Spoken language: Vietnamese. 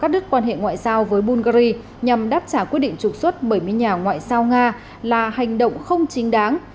nga đe dọa cắt đứt quan hệ ngoại giao với bungary nhằm đáp trả quyết định trục xuất bảy mươi nhà ngoại giao nga là hành động không chính đáng